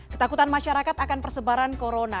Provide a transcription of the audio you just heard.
ketakutan masyarakat akan persebaran corona